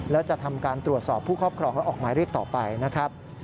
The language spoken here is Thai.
และจะทำการตรวจสอบผู้ครอบครองและออกหมายเรียกต่อไปนะครับ